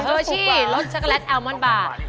เออชี่รสช็อกโกแลตแอลมอนบาร์